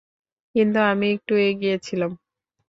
কিন্তু আমি একটু এগিয়ে ছিলাম।